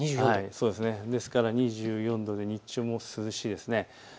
ですから２４度で日中も涼しいです。